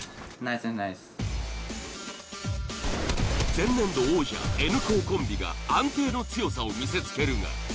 前年度王者Ｎ高コンビが安定の強さを見せつけるが。